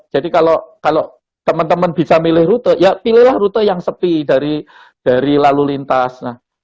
jadi kalau teman teman bisa memilih rute ya pilih rute yang sepi dari lalu lintas